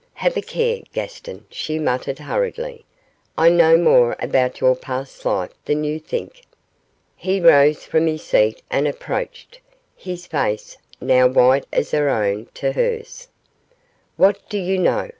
'Have a care, Gaston,' she muttered, hurriedly, 'I know more about your past life than you think.' He rose from his seat and approached his face, now white as her own, to hers. 'What do you know?